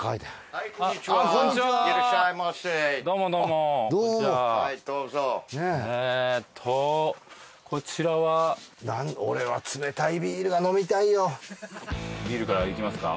はいこんにちはいらっしゃいませどうもどうもどうもはいどうぞええとこちらはビールからいきますか？